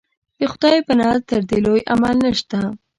د خدای په نزد تر دې لوی عمل نشته.